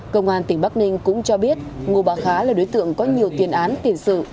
công an tỉnh bắc ninh cũng cho biết ngô bà khá là đối tượng có nhiều tiền án tiền sự